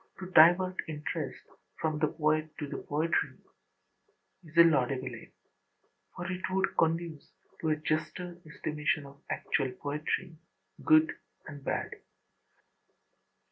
To divert interest from the poet to the poetry is a laudable aim: for it would conduce to a juster estimation of actual poetry, good and bad.